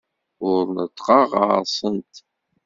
Ur neṭṭqeɣ ɣer-sent.